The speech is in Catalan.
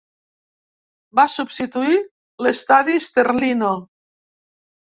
Va substituir l'Estadi Sterlino.